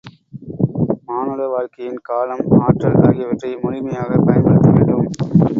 மானுட வாழ்க்கையின் காலம், ஆற்றல் ஆகியவற்றை முழுமையாகப் பயன்படுத்த வேண்டும்.